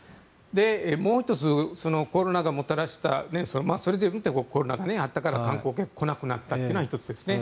もう１つ、コロナがもたらしたそれでもコロナがあったから観光客が来なくなったというのが１つですね。